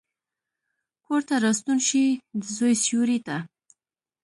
کورته راستون شي، دزوی سیورې ته،